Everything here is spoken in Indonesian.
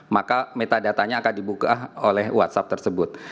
maka metadatanya akan dibuka oleh whatsapp tersebut